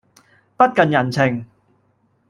不近人情